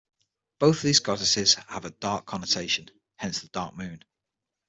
Both of these goddesses have a Dark connotation, hence the Dark Moon.